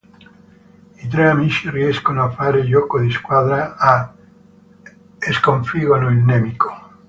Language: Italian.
I tre amici riescono a fare gioco di squadra e sconfiggono il nemico.